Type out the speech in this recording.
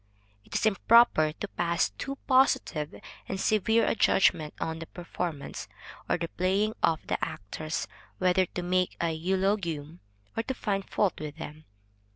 It is improper to pass too positive and severe a judgment on the performance, or the playing of the actors, whether to make a eulogium, or to find fault with them.